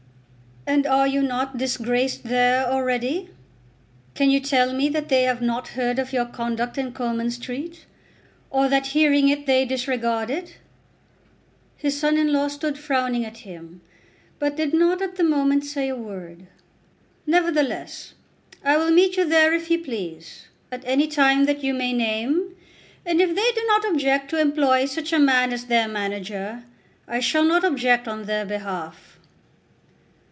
"And are you not disgraced there already? Can you tell me that they have not heard of your conduct in Coleman Street, or that hearing it they disregard it?" His son in law stood frowning at him, but did not at the moment say a word. "Nevertheless, I will meet you there if you please, at any time that you may name, and if they do not object to employ such a man as their manager, I shall not object on their behalf."